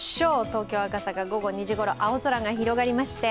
東京・赤坂、午後２時ごろ、青空が広がりまして。